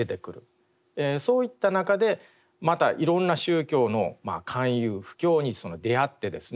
そういった中でまたいろんな宗教の勧誘布教に出会ってですね